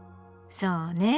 そうね。